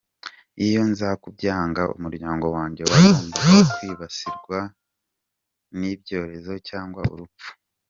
Iyo nza kubyanga, umuryango wanjye wagombaga kwibasirwa n’ibyorezo cyangwa urupfu.